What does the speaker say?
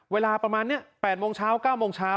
เวลาประมาณนี้๘โมงเช้า๙โมงเช้า